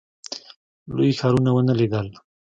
لوی ښارونه ونه لیدل.